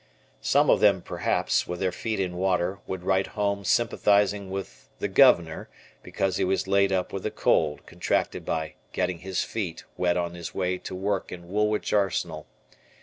Some of them perhaps, with their feet in water, would write home sympathizing with the "governor" because he was laid up with a cold, contracted by getting his feet, wet on his way to work in Woolwich Arsenal.